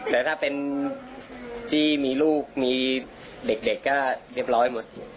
แต่ถ้าเป็นที่มีลูกมีเด็กก็เรียบร้อยหมด